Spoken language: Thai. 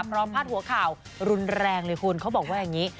พาดหัวข่าวรุนแรงเลยคุณเขาบอกว่าอย่างนี้